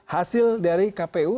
hasil dari kpu